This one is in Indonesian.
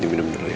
diminum dulu ya